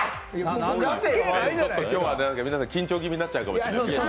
今日は皆さん緊張気味になっちゃうかもしれないですけど。